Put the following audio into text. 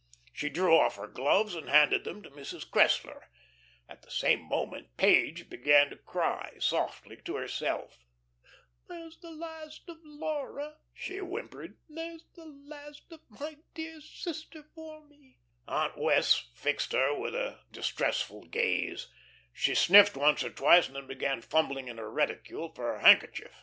She drew off her gloves and handed them to Mrs. Cressler. At the same moment Page began to cry softly to herself. "There's the last of Laura," she whimpered. "There's the last of my dear sister for me." Aunt Wess' fixed her with a distressful gaze. She sniffed once or twice, and then began fumbling in her reticule for her handkerchief.